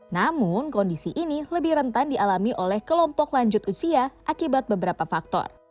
namun kondisi ini lebih rentan dialami oleh kelompok lanjut usia akibat beberapa faktor